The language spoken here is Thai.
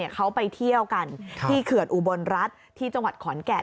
เขาไปเที่ยวกันที่เขื่อนอุบลรัฐที่จังหวัดขอนแก่น